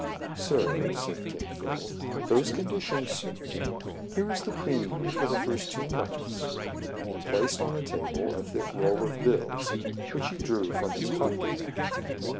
"Sir," said Kin Fo, "those conditions suit me. Here is the premium for the first two months." And he placed on the table a thick roll of bills, which he drew from his pocket.